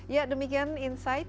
ya demikian insight